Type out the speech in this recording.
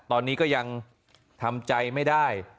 ตอนนี้ก็ยังทำใจไม่ได้